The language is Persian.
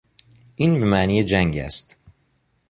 این به معنی جنگ است.